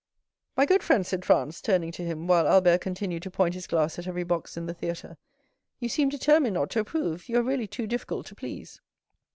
"My good friend," said Franz, turning to him, while Albert continued to point his glass at every box in the theatre, "you seem determined not to approve; you are really too difficult to please."